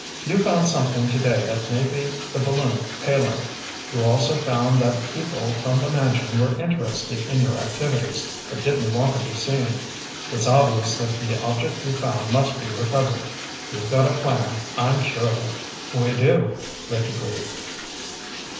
"You found something today that may be the balloon payload. You also found out that people from the mansion were interested in your activities, but didn't want to be seen. It's obvious that the object you found must be recovered. You've got a plan. I'm sure of it." "We do," Rick agreed.